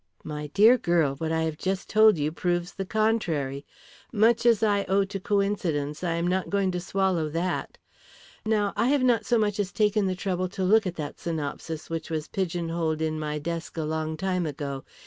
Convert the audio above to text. "My dear girl, what I have just told you proves the contrary. Much as I owe to coincidence, I am not going to swallow that. Now I have not so much as taken the trouble to look at that synopsis which was pigeonholed in my desk a long time ago.